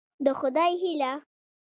د خدای هيله